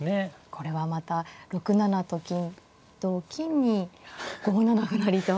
これはまた６七と金同金に５七歩成と。